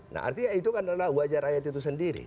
nah artinya itu kan adalah wajah rakyat itu sendiri